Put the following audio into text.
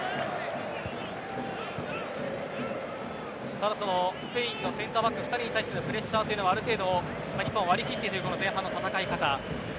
ただそのスペインのセンターバック２人に対してのプレッシャーはある程度、今は割り切ってという前半の戦い方。